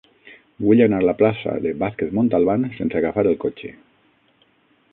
Vull anar a la plaça de Vázquez Montalbán sense agafar el cotxe.